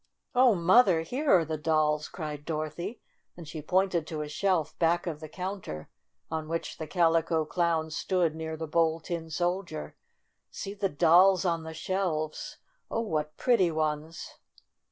"Oh, Mother, here are the dolls!' 9 cried Dorothy, and she pointed to a shelf back of the counter on which the Calico Clown, stood near the Bold Tin Soldier. "See the dolls on the shelves ! Oh, what pretty ones!"